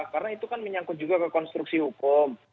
karena itu kan menyangkut juga ke konstruksi hukum